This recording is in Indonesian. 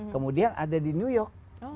kemudian ada di new york